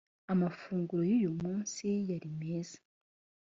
amafunguro yuyumunsi yari meza